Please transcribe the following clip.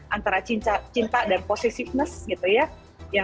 antara cinta dan positiveness gitu ya